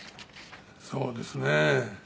そうですね。